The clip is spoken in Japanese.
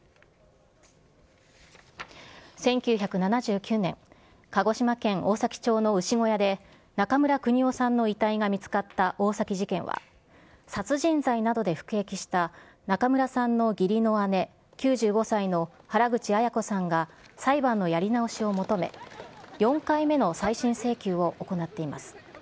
１９７９年、鹿児島県大崎町の牛小屋で中村邦夫さんの遺体が見つかった大崎事件は、殺人罪などで服役した中村さんの義理の姉、９５歳の原口アヤ子さんが、裁判のやり直しを求め、４回目の再審請求を行っています。